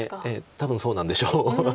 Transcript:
多分そうなんでしょう。